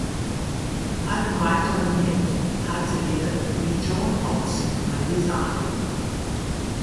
Einen weiteren Hit hatte er mit John Holts "My Desire".